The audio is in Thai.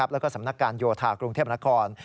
แล้วก็สำนักการโยธากรุงเทพนคร